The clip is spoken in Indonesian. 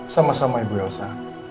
sama sama ibu elsa